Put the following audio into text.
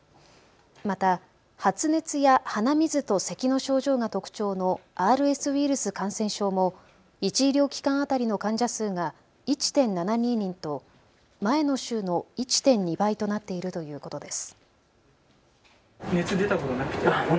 また発熱や鼻水とせきの症状が特徴のＲＳウイルス感染症も１医療機関当たりの患者数が１．７２人と前の週の１．２倍となっているということです。